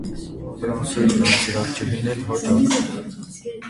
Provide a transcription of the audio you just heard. Ֆրանսուհի դաստիարակչուհին էլ հո ջոկ: